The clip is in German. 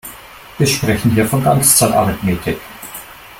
Wir sprechen hier von Ganzzahlarithmetik.